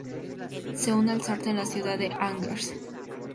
Se une al Sarthe en la ciudad de Angers.